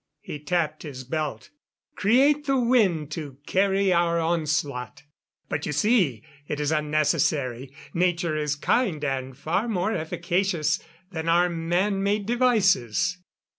He tapped his belt. "Create the wind to carry our onslaught. But you see, it is unnecessary. Nature is kind, and far more efficacious than our man made devices."